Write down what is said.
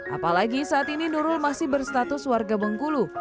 apalagi saat ini nurul masih berstatus warga bengkulu